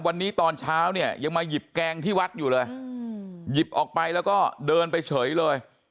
วันนี้ตอนเช้าเนี่ยยังมาหยิบแกงที่วัดอยู่เลยหยิบออกไปแล้วก็เดินไปเฉยเลย